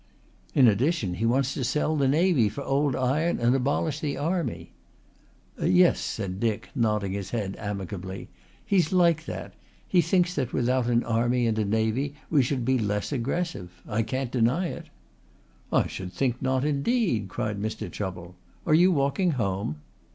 "In addition he wants to sell the navy for old iron and abolish the army." "Yes," said Dick, nodding his head amicably. "He's like that. He thinks that without an army and a navy we should be less aggressive. I can't deny it." "I should think not indeed," cried Mr. Chubble. "Are you walking home?"